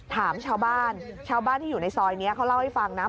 ถามชาวบ้านชาวบ้านที่อยู่ในซอยนี้เขาเล่าให้ฟังนะ